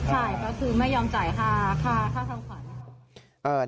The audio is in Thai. ใช่ก็คือไม่ยอมจ่ายค่าทำขวัญ